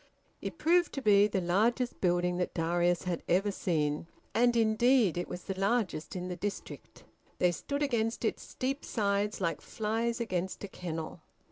It proved to be the largest building that Darius had ever seen; and indeed it was the largest in the district; they stood against its steep sides like flies against a kennel.